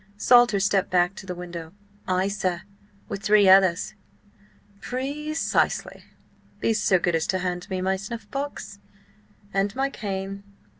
Salter stepped back to the window. "Ay, sir–with three others." "Pre cisely. Be so good as to hand me my snuffbox. And my cane.